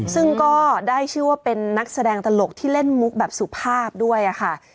ซึ่งก็ได้ชื่อว่าเป็นนักแสดงตลกที่เล่นมุกแบบสุภาพด้วยค่ะ